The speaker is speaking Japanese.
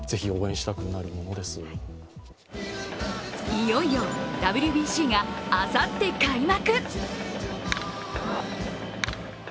いよいよＷＢＣがあさって開幕！